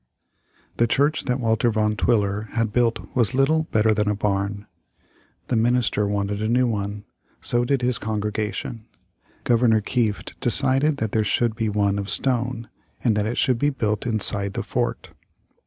The church that Walter Van Twiller had built was little better than a barn. The minister wanted a new one. So did his congregation. Governor Kieft decided that there should be one of stone, and that it should be built inside the fort.